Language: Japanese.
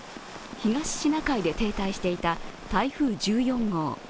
東シナ海で停滞していた台風１４号。